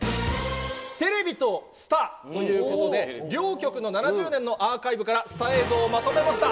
テレビとスターということで、両局の７０年のアーカイブからスター映像をまとめました。